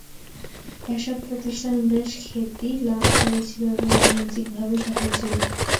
এসব প্রতিষ্ঠান বেশ খ্যাতি লাভ করেছিল এবং বাণিজ্যিকভাবে সফল ছিল।